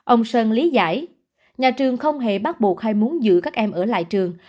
ông sơn lý giải nhà trường không hề bắt buộc hay muốn giữ các em ở lại trường